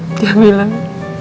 dan dia bilang